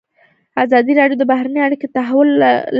ازادي راډیو د بهرنۍ اړیکې د تحول لړۍ تعقیب کړې.